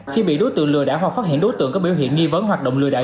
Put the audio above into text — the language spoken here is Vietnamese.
khi bị đối tượng lừa đảo hoặc phát hiện đối tượng có biểu hiện nghi vấn hoạt động lừa đảo